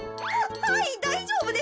はいだいじょうぶです。